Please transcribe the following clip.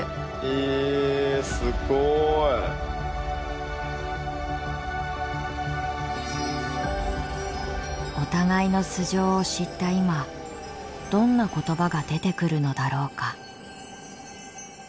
ええすごい！お互いの素性を知った今どんな言葉が出てくるのだろうか。